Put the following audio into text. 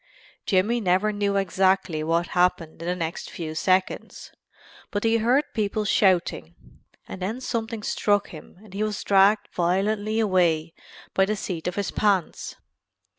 Jimmy never knew exactly what happened in the next few seconds, but he heard people shouting, and then something struck him and he was dragged violently away by the seat of the pants.